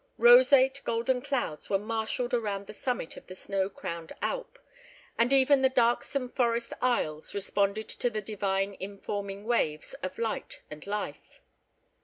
Roseate golden clouds were marshalled around the summit of the snow crowned alp, and even the darksome forest aisles responded to the divine informing waves of light and life.